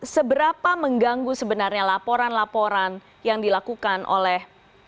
seberapa mengganggu sebenarnya laporan laporan yang dilakukan oleh